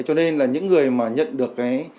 cho nên là những người mà nhận được